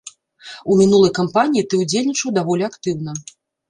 У мінулай кампаніі ты ўдзельнічаў даволі актыўна.